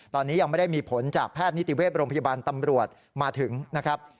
ตอนนี้ยังไม่ได้มีผลจากแพทย์นิติเวชโรงพยาบาลตำรวจมาถึงนะครับ